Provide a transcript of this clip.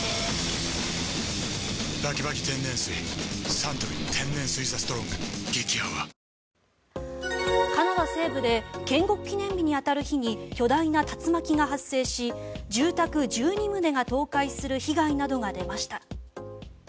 サントリー天然水「ＴＨＥＳＴＲＯＮＧ」激泡カナダ西部で建国記念日に当たる日に巨大な竜巻が発生し住宅１２棟が倒壊する被害などが出ました。